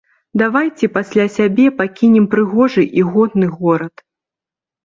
Давайце пасля сябе пакінем прыгожы і годны горад.